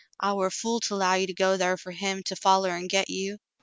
I war a fool to 'low you to go thar fer him to foUer an' get you.